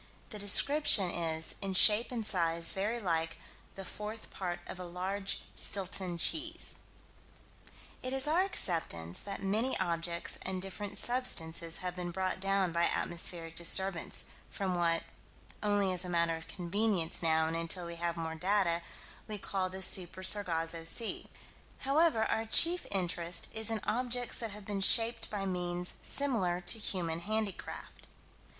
The description is "in shape and size very like the fourth part of a large Stilton cheese." It is our acceptance that many objects and different substances have been brought down by atmospheric disturbance from what only as a matter of convenience now, and until we have more data we call the Super Sargasso Sea; however, our chief interest is in objects that have been shaped by means similar to human handicraft.